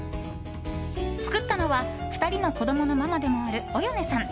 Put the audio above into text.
作ったのは２人の子供のママでもある、およねさん。